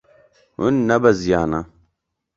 Hûn nebeziyane.